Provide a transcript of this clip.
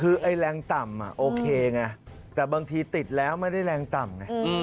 คือไอ้แรงต่ำโอเคไงแต่บางทีติดแล้วไม่ได้แรงต่ำไง